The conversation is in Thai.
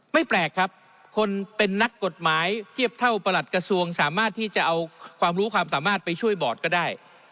แปลกครับคนเป็นนักกฎหมายเทียบเท่าประหลัดกระทรวงสามารถที่จะเอาความรู้ความสามารถไปช่วยบอร์ดก็ได้